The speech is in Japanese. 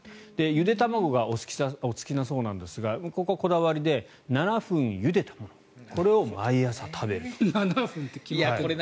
ゆで卵がお好きだそうなんですがここがこだわりで７分ゆでたものをこれを毎朝食べると。